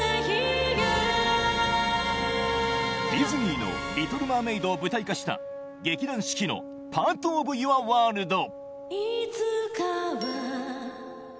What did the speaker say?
ディズニーの『リトル・マーメイド』を舞台化した劇団四季の『パート・オブ・ユア・ワールド』